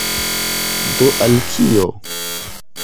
Do al kio?